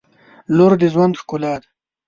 • لور د ژوند ښکلا ده.